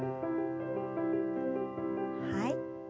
はい。